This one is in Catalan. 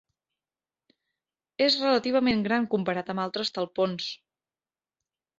És relativament gran comparat amb altres talpons.